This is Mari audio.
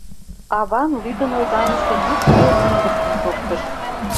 Аван лӱдын ойганыше йӱкшӧ мӱндырчын шоктыш.